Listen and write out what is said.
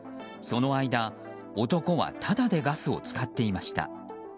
その間、男はタダでガスを使っていました。